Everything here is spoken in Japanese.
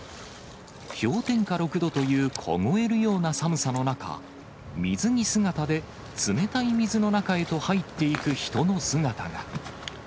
氷点下６度という凍えるような寒さの中、水着姿で冷たい水の中へと入っていく人の姿が。